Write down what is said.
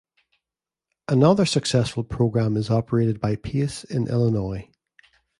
Another successful program is operated by Pace in Illinois.